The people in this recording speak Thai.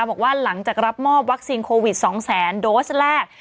บอกว่าหลังจากรับมอบวัคซีนโควิด๒แสนโดสแรก